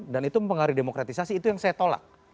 dan itu mempengaruhi demokratisasi itu yang saya tolak